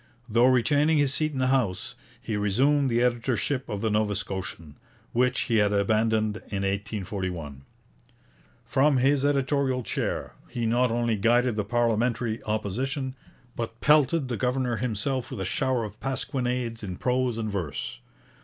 Though retaining his seat in the House, he resumed the editorship of the Nova Scotian, which he had abandoned in 1841. From his editorial chair he not only guided the parliamentary Opposition, but pelted the governor himself with a shower of pasquinades in prose and verse.